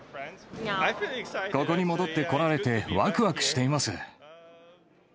ここに戻ってこられて、わくわくしています。